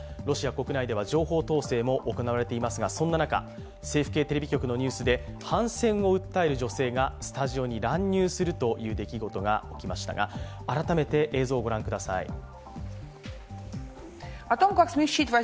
ロシア国内では情報統制も行われていますが、そんな中政府系テレビ局のニュースで反戦を訴える女性がスタジオに乱入するという出来事が起きましたが改めて映像をご覧ください。